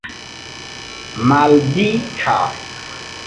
maldika